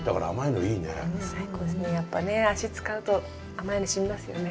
やっぱね足使うと甘いのしみますよね。